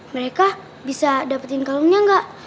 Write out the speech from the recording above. mereka bisa dapetin kalungnya nggak